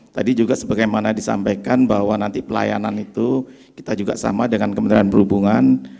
tadi juga sebagaimana disampaikan bahwa nanti pelayanan itu kita juga sama dengan kementerian perhubungan